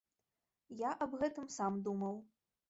Я аб гэтым сам думаў.